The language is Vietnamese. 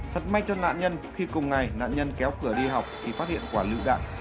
thật may cho nạn nhân khi cùng ngày nạn nhân kéo cửa đi học thì phát hiện quả lựu đạn